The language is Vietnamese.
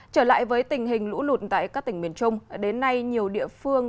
trở lại với tình hình lũ lụt tại các tỉnh miền trung đến nay nhiều địa phương